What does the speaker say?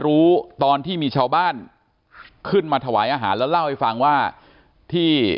รู้ตอนที่มีชาวบ้านขึ้นมาถวายอาหารแล้วเล่าให้ฟังว่าที่